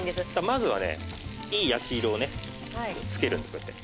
まずはねいい焼き色をねつけるんですこうやって。